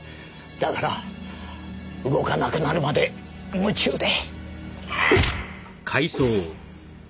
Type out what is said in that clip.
だから動かなくなるまで夢中で。